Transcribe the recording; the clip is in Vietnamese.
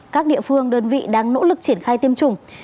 các địa phương đơn vị đang nỗ lực triển khai tiêm chủng